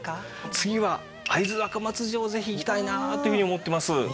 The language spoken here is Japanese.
次は会津若松城是非行きたいなというふうに思ってます。